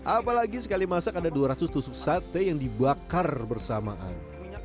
apalagi sekali masak ada dua ratus tusuk sate yang dibakar bersamaan